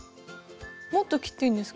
もっと切っていいんですか？